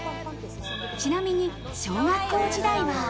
ちなみに小学校時代は。